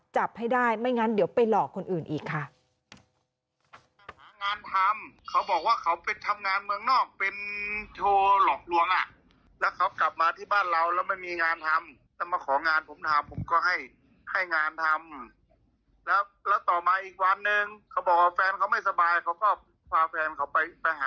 จับให้ได้ไม่งั้นเดี๋ยวไปหลอกคนอื่นอีกค่ะ